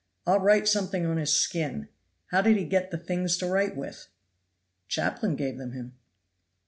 I'll write something on his skin. How did he get the things to write with?" "Chaplain gave them him."